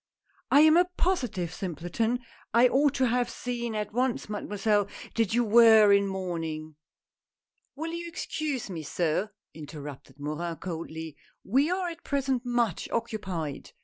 " I am a positive simpleton I I ought to have seen at once. Mademoiselle, that you were in mourning " A NEW ASPIRANT. 145 " Will you excuse me, sir," interrupted Morin coldly, " we are at present much occupied.